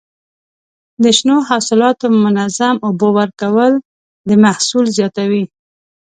د شنو حاصلاتو منظم اوبه ورکول د محصول زیاتوي.